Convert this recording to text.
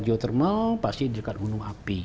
jio termal pasti dekat gunung api